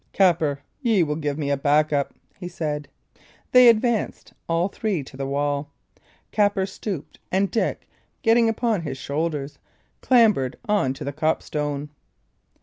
"Capper, ye will give me a back up," he said. They advanced, all three, to the wall; Capper stooped, and Dick, getting upon his shoulders, clambered on to the cope stone.